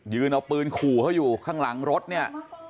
เอาปืนขู่เขาอยู่ข้างหลังรถเนี่ย